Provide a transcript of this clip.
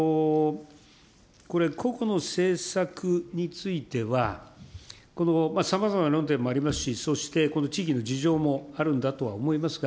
個々の政策については、さまざまな論点もありますし、そしてこの地域の事情もあるんだとは思いますが、